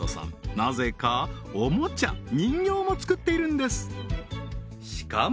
なぜかおもちゃ・人形も作っているんですしかも